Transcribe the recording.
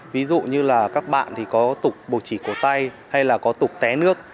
ví dụ như là các bạn thì có tục bồ chỉ cổ tay hay là có tục té nước